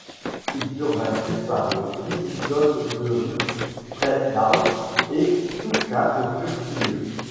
Ils furent vaincus par les Wisigoths d'Euric près d'Arles, et tous quatre furent tués.